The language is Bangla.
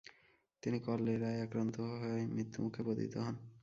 তিনি কলেরায় আক্রান্ত হয় মৃত্যুমুখে পতিত হন।